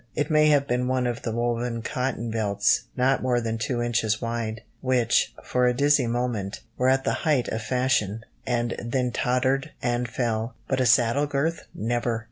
It may have been one of the woven cotton belts, not more than two inches wide, which, for a dizzy moment, were at the height of fashion, and then tottered and fell, but a "saddle girth" never!